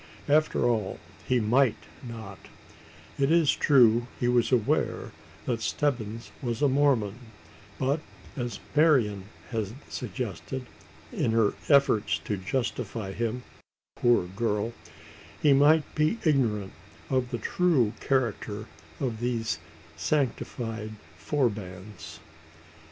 After all, he might not. It is true he was aware that Stebbins was a Mormon; but as Marian had suggested in her efforts to justify him, poor girl he might be ignorant of the true character of these sanctified forbans.